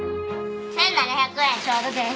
１７００円ちょうどです。